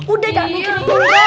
udah gak mikirin